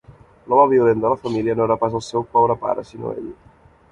L'home violent de la família no era pas el teu pobre pare, sinó ell.